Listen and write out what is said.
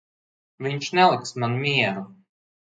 Viņš neliks man mieru.